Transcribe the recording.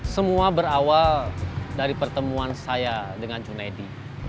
semua berawal dari pertemuan saya dengan junaidi